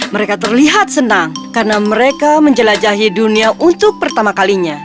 mereka terlihat senang karena mereka menjelajahi dunia untuk pertama kalinya